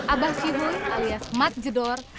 abah shihun alias mat jedor